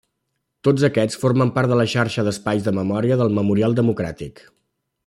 Tots aquests formen part de la Xarxa d’Espais de Memòria del Memorial Democràtic.